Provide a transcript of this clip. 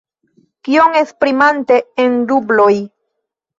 Kiom, esprimante en rubloj?